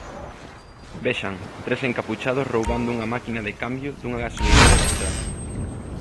Vexan, tres encapuchados roubando unha máquina de cambio dunha gasolineira da Estrada.